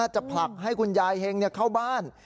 จะผลักให้คุณยายเฮงเข้าบ้าน